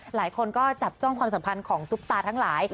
หลายคนก็จับจ้องความสัมพันธ์ของซุปตาทั้งหลาย